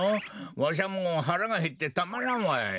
わしはもうはらがへってたまらんわい。